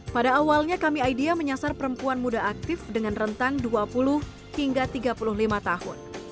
pada awalnya kami idea menyasar perempuan muda aktif dengan rentang dua puluh hingga tiga puluh lima tahun